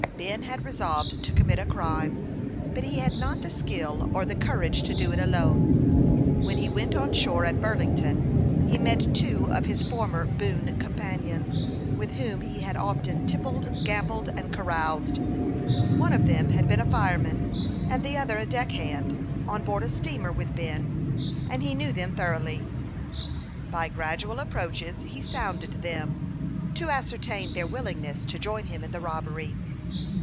Ben had resolved to commit a crime, but he had not the skill or the courage to do it alone. When he went on shore at Burlington, he met two of his former boon companions, with whom he had often tippled, gambled, and caroused. One of them had been a fireman, and the other a deck hand, on board a steamer with Ben, and he knew them thoroughly. By gradual approaches he sounded them, to ascer tain their willingness to join him in the robbery.